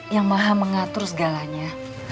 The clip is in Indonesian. yang maha mengatur segalanya